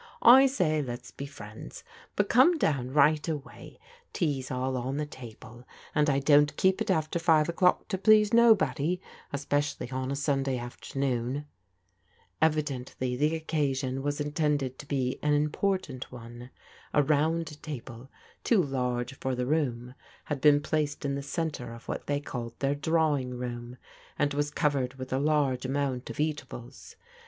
I say let's be friends ; but come down right away — ^tea's all on the table and I don't keep it after five o'clock to please nobody, especially on a Sunday after noon." Evidently the occasion wais mx^w^^^ Vi\sfc ^^xvSsQc^T^s&asl ELEANOB VISITS PEGGY 809 one. A round table, too large for the room, had been placed in the centre of what they called their drawing room, and was covered with a large amount of eatables.